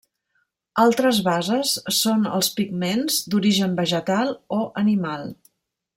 Altres bases són els pigments d'origen vegetal o animal.